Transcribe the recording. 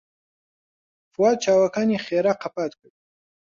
فواد چاوەکانی خێرا قەپات کرد.